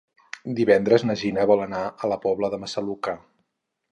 Divendres na Gina vol anar a la Pobla de Massaluca.